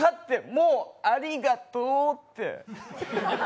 もう、ありがとうって。